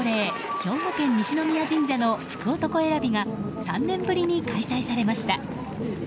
兵庫県西宮神社の福男選びが３年ぶりに開催されました。